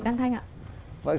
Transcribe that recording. đăng thanh ạ